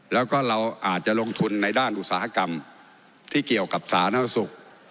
แล้วก็เราอาจจะลงทุนในด้านอุตสาหกรรมที่เกี่ยวกับสาธารณสุข